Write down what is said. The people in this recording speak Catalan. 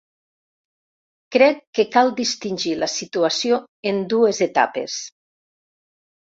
Crec que cal distingir la situació en dues etapes.